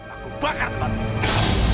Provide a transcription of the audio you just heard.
aku bakar tempat ini